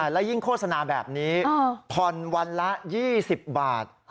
และยิ่งโฆษณาแบบนี้ผ่อนวันละ๒๐บาท